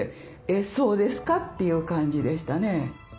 えっそうですか？という感じでしたね。